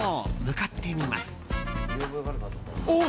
向かってみます。